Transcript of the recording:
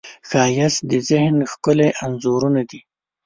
ښایست د ذهن ښکلي انځورونه دي